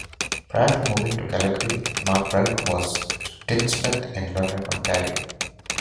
Prior to moving to Calgary, McBride was a tinsmith in London, Ontario.